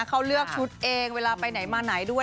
เขาเลือกชุดเองเวลาไปไหนมาไหนด้วย